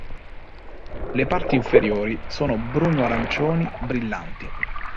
Le parti inferiori sono bruno-arancioni brillanti.